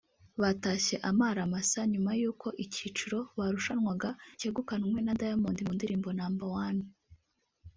batashye amara masa nyuma y’uko icyiciro barushanwaga cyegukanwe na Diamond mu ndirimbo ‘Number One’